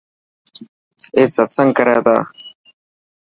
اي ستسنگ ڪري تا.